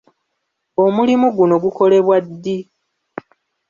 Omulimu guno gukolebwa ddi?